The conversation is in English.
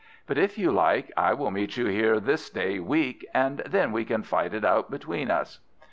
But, if you like, I will meet you here this day week, and then we can fight it out between us."